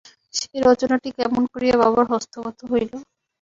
সেই রচনাটি কেমন করিয়া বাবার হস্তগত হইল।